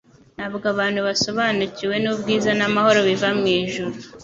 Ntabwo abantu basobanukiwe n'ubwiza n'amahoro biva mu ijuru